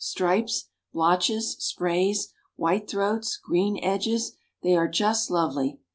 Stripes, blotches, sprays, white throats, green edges, they are just lovely.